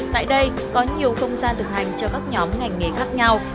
tại đây có nhiều không gian thực hành cho các nhóm ngành nghề khác nhau